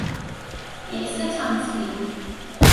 Er ist der Tanzbär.